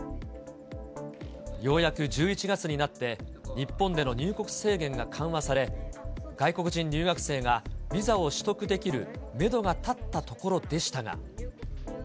ようやく１１月になって、日本での入国制限が緩和され、外国人留学生がビザを取得できるメドが立ったところでしたが。